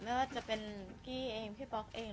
ไม่ว่าจะเป็นกี้เองพี่ป๊อกเอง